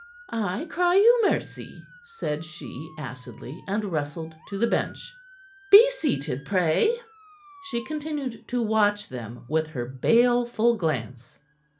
"I cry you mercy!" said she acidly, and rustled to the bench. "Be seated, pray." She continued to watch them with her baleful glance.